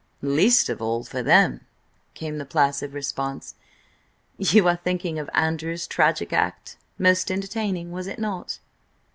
"Least of all for them," came the placid response. "You are thinking of Andrew's tragic act? Most entertaining, was it not?"